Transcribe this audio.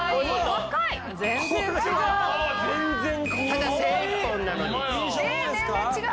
ただ線１本なのに。